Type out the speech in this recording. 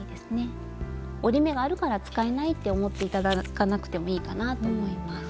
「折り目があるから使えない」って思って頂かなくてもいいかなと思います。